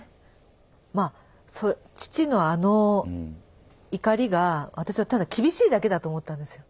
まあ父のあの怒りが私はただ厳しいだけだと思ってたんですよ。